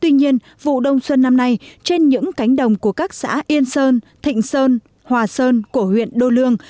tuy nhiên vụ đông xuân năm nay trên những cánh đồng của các xã yên sơn thịnh sơn hòa sơn của huyện đô lương